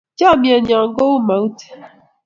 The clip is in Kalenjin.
chamiet nyo ko u maute